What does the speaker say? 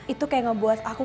itu kayak ngebuat aku